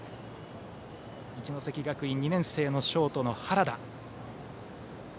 一関学院２年生のショート、原田。